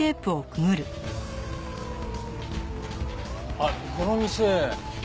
あっこの店。